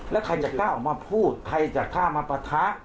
แล้วใครจะกล้าออกมาพูดใครจะกล้ามาปะทะ